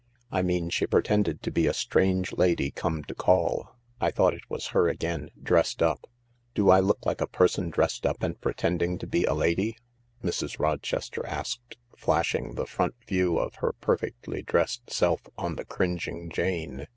" I mean she pretended to be a strange lady come to call, I thought it was her again, dressed up." " Do I look like a person dressed up and pretending to be a lady ?" Mrs. Rochester asked, flashing the front view of her perfectly dressed self on the cringing Jane.